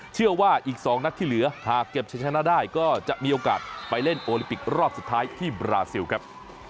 เชื่อว่าอีก๒นัดที่เหลือหากเก็บชะชนะได้ก็จะมีโอกาสไปเล่นโอลิปิกรอบสุดท้ายที่บราซิลครับ